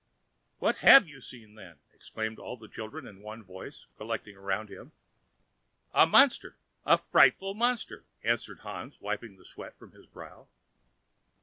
"What have you seen, then?" exclaimed all the children with one voice, collecting around him. "A monster! a frightful monster!" answered Hans, wiping the sweat from his brow.